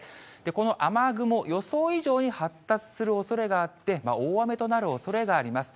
この雨雲、予想以上に発達するおそれがあって、大雨となるおそれがあります。